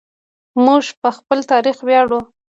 موږ په خپل تاریخ ویاړو.